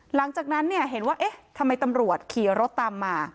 หลังจากนั้นเนี่ยเห็นว่าเอ๊ะทำไมตำรวจขี่รถตามมา